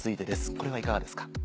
これはいかがですか？